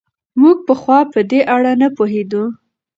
موږ پخوا په دې اړه نه پوهېدو.